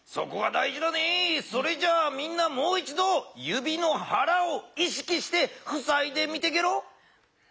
それじゃあみんなもう一どゆびのはらをいしきしてふさいでみてゲロ。